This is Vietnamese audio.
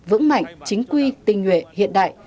vững mạnh chính quy tinh nguyện hiện đại